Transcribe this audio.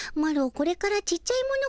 これからちっちゃいもの